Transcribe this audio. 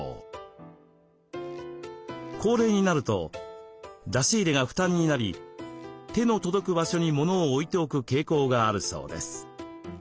高齢になると出し入れが負担になり手の届く場所に物を置いておく傾向があるそうです。